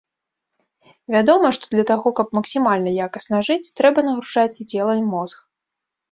Вядома, што для таго, каб максімальна якасна жыць, трэба нагружаць і цела, і мозг.